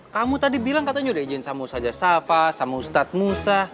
kamu tadi bilang katanya udah izin sama ustadzah saffah sama ustadzah musa